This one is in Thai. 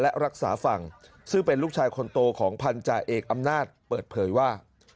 และรักษาฝั่งซึ่งเป็นลูกชายคนโตของพันธาเอกอำนาจเปิดเผยว่า